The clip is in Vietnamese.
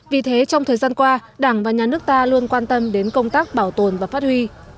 vì thế trong thời gian qua đảng và nhà nước ta luôn quan tâm đến công tác bảo tồn và phát huy